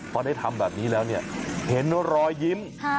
พอได้ทำแบบนี้แล้วเนี่ยเห็นรอยยิ้ม